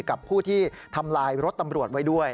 กับผู้ที่ทำลายรถตำรวจไว้ด้วย